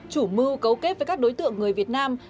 chủ mưu cấu kết với các đối tượng người việt nam